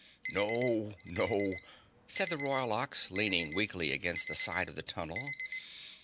"No! No!" said the Royal Ox, leaning weakly against the side of the tunnel.